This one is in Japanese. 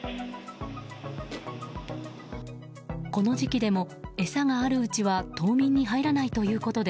この時期でも餌があるうちは冬眠に入らないということで